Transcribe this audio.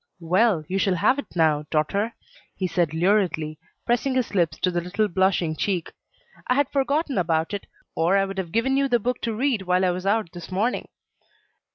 "Well, you shall have it now, daughter," he said luridly, pressing his lips to the little blushing cheek. "I had forgotten about it, or I would have given you the book to read while I was out this morning."